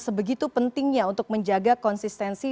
sebegitu pentingnya untuk menjaga konsistensi